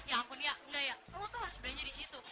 ya ampun ya enggak ya lo tuh harus belanja di situ